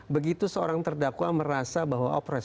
begitu seorang terdakwa merasa bahwa operasi